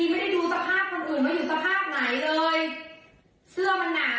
เสื้อมันหนาใช่ไหมมันร้อน